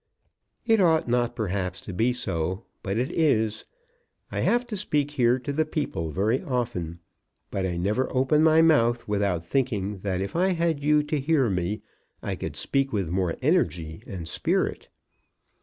It ought not, perhaps, to be so, but it is. I have to speak here to the people very often; but I never open my mouth without thinking that if I had you to hear me I could speak with more energy and spirit.